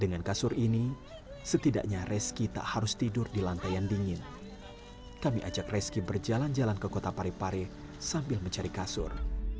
dengan kasur ini setidaknya reski tak harus tidur di lantaian dingin kami ajak reski berjalan jalan ke kota parepare sambil mencari kasur